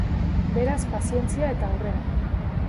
Beraz, pazientzia eta aurrera.